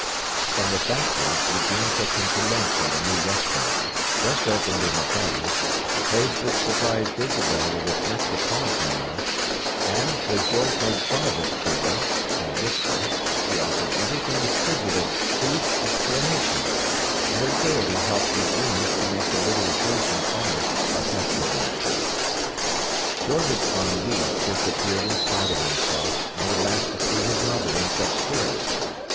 From the factory Eugene took them to lunch at a new restaurant, just opened in the town, a place which surprised Isabel with its metropolitan air, and, though George made fun of it to her, in a whisper, she offered everything the tribute of pleased exclamations; and her gayety helped Eugene's to make the little occasion almost a festive one. George's ennui disappeared in spite of himself, and he laughed to see his mother in such spirits.